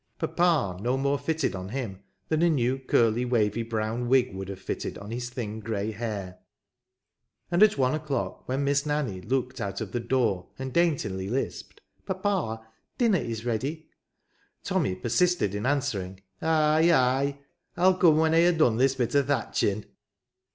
" Papa " no more fitted on him, than a new curly, wavy, brown wig would have fitted on his thin grey hair ; and at one o'clock, when Miss Nanny looked out of the door, and daintily lisped, " Papa, dinner is ready," Tommy persisted in answer ing, " Ay, ay. Til coom when I ha dun this bit o' thatching.'